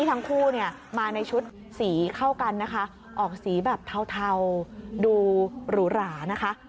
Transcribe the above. ทั้งคู่เนี่ยมาในชุดสีเข้ากันนะคะออกสีแบบเทาดูหรูหรานะคะ